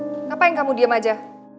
kenapa kamu diam saja